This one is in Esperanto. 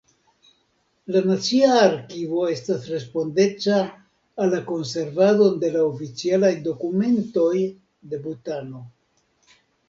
La nacia arkivo estas respondeca al la konservadon de la oficialaj dokumentoj de Butano.